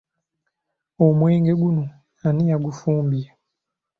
Omwenge guno ani yagufumbye?